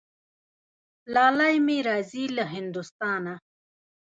لالی مي راځي له هندوستانه